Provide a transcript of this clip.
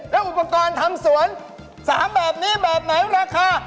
แล้วอุปกรณ์ทำสวน๓แบบนี้แบบไหนราคา